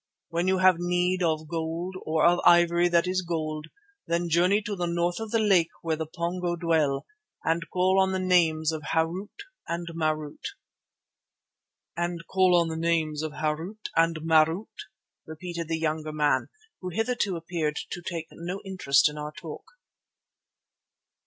When you have need of gold or of the ivory that is gold, then journey to the north of the lake where the Pongo dwell, and call on the names of Harût and Marût." "And call on the names of Harût and Marût," repeated the younger man, who hitherto appeared to take no interest in our talk.